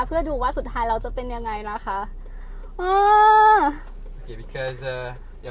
เพื่อดูว่าสุดท้ายแล้วจะเป็นยังไงนะคะ